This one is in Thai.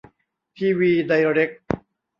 ทีวี ไดเร็ค